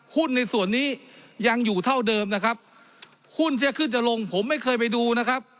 หุ้นในส่วนนี้ยังอยู่เท่าเดิมนะครับหุ้นจะขึ้นจะลงผมไม่เคยไปดูนะครับ